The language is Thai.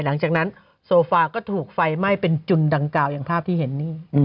หลังจากนั้นโซฟาก็ถูกไฟไหม้เป็นจุนดังกล่าวอย่างภาพที่เห็นนี่